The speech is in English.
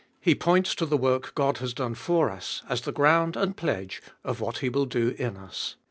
He points to the work God has done for us, as the ground and pledge of what He will do in us.